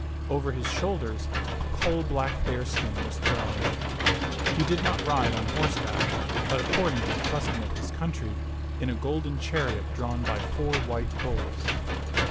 Over his shoulders a coal black bearskin was thrown. He did not ride on horse back, but, according to the custom of his country, in a golden chariot drawn by four white bulls.